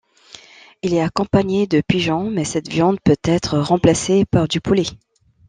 Il est accompagné de pigeon, mais cette viande peut être remplacée par du poulet.